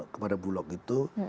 kepada bulog itu